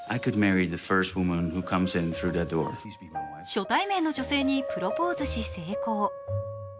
初対面の女性にプロポーズし成功。